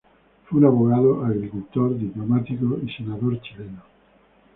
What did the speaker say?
Fue un abogado, agricultor, diplomático y senador chileno.